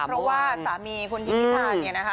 เพราะว่าสามีคุณหญิงพิธาเนี่ยนะคะ